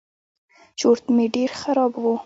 چورت مې ډېر خراب و.